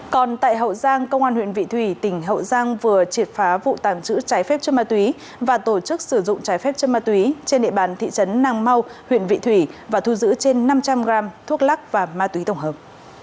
còn tại hậu giang công an huyện vị thủy tỉnh hậu giang vừa triệt phá vụ tàng trữ trái phép chất ma túy và tổ chức sử dụng trái phép chân ma túy trên địa bàn thị trấn nàng mau huyện vị thủy và thu giữ trên năm trăm linh gram thuốc lắc và ma túy tổng hợp